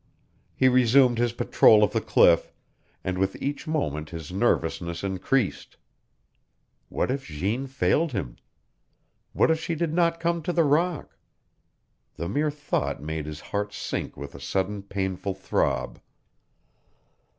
He resumed his patrol of the cliff, and with each moment his nervousness increased. What if Jeanne failed him? What if she did not come to the rock? The mere thought made his heart sink with a sudden painful throb.